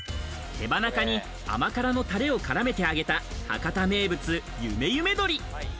手羽中に甘辛のタレを絡めて揚げた博多名物・努努鶏。